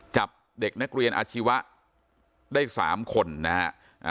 จับเด็กนักเรียนอาชีวะได้สามคนนะฮะ